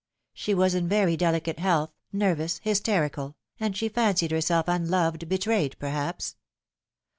She was in very delicate health, nervous, hysterical, and she fancied herself unloved, betrayed, perhaps.